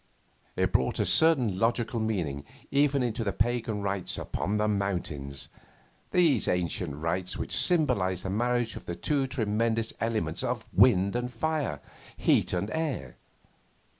It brought a certain logical meaning even into the pagan rites upon the mountains, these ancient rites which symbolised the marriage of the two tremendous elements of wind and fire, heat and air.